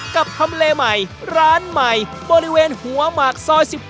ทำเลใหม่ร้านใหม่บริเวณหัวหมากซอย๑๖